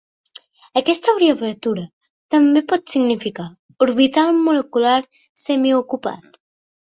Aquesta abreviatura també pot significar "orbital molecular semiocupat".